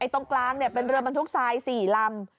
ตรงกลางเป็นเรือบรรทุกทราย๔ลำ